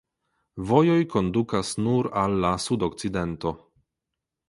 Vojoj kondukas nur al la sudokcidento.